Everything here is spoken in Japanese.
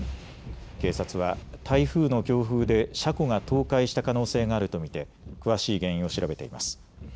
警察は台風の強風で車庫が倒壊した可能性があると見て詳しい原因を調べています。